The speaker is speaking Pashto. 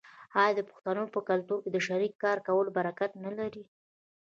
آیا د پښتنو په کلتور کې د شریک کار کول برکت نلري؟